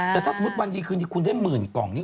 แต่ถ้าสมมุติวันดีคืนที่คุณได้หมื่นกล่องนี้